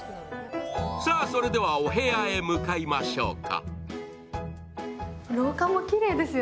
さあ、それではお部屋へ向かいましょうか。